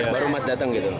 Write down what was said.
baru mas datang gitu